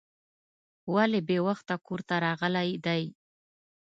ولې بې وخته کور ته راغلی دی.